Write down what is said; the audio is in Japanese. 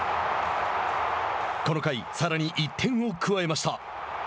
この回、さらに１点を加えました。